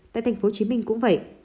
tại tp hcm cũng vậy